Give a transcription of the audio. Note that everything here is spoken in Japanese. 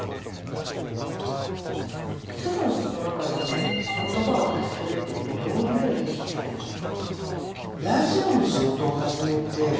スーさんの中で言葉を発するっていうことどういうふうに意識されてますか？